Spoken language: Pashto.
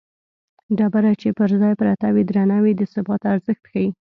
ډبره چې پر ځای پرته وي درنه وي د ثبات ارزښت ښيي